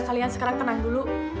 kalian sekarang tenang dulu